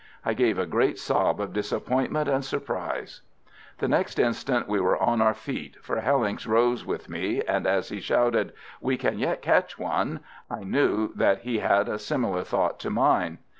I gave a great sob of disappointment and surprise. The next instant we were on our feet, for Hellincks rose with me, and as he shouted, "We can yet catch one," I knew that he had a similar thought to mine.